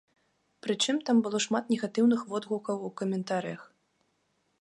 Прычым, там было шмат негатыўных водгукаў у каментарыях.